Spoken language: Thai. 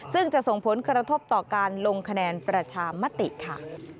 ซึ่งจะส่งผลกระทบต่อการลงคะแนนประชามติค่ะ